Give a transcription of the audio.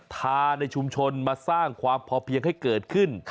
ทาในชุมชนมาสร้างความพอเพียงให้เกิดขึ้น